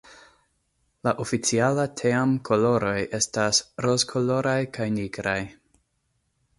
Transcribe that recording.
La oficiala team-koloroj estas rozkoloraj kaj nigraj.